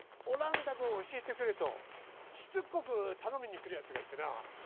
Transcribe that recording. オランダ語を教えてくれとしつこく頼みに来るやつがいてな。